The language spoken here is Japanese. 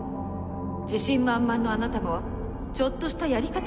自信満々のあなたもちょっとしたやり方